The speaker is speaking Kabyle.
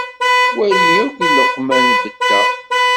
Wali akk ileqman beta.